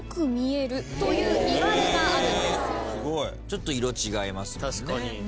ちょっと色違いますもんね。